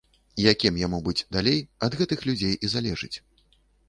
Якім яму быць далей, ад гэтых людзей і залежыць.